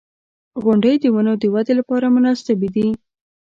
• غونډۍ د ونو د ودې لپاره مناسبې دي.